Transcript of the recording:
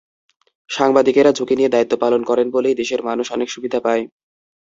সাংবাদিকেরা ঝুঁকি নিয়ে দায়িত্ব পালন করেন বলেই দেশের মানুষ অনেক সুবিধা পায়।